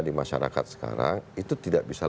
di masyarakat sekarang itu tidak bisa